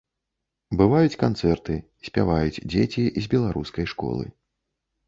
Бываюць канцэрты, спяваюць дзеці з беларускай школы.